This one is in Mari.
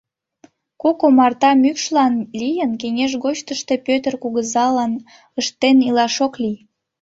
Кок омарта мӱкшлан лийын кеҥеж гоч тыште Пӧтыр кугызалан ыштен илаш ок лий.